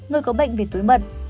người có bệnh về túi mật